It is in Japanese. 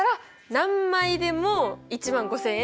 １枚でも１５０００円。